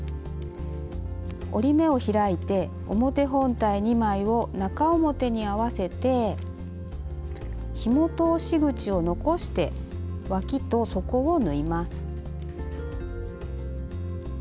折り目を開いて表本体２枚を中表に合わせてひも通し口を残してわきと底を縫います。